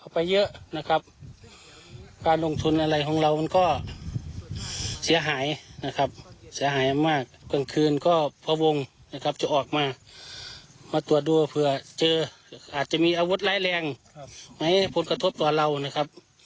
ไปครับแต่มันไม่เกิดก็ดีนะครับนี่ก็อยากฝากเจ้าที่ทุกบ้านเมืองนะครับ